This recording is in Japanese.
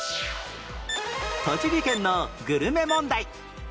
栃木県のグルメ問題